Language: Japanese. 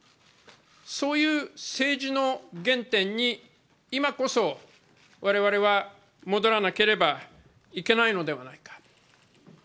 そういう政治の原点に今こそ、我々は戻らなければいけないのではないか。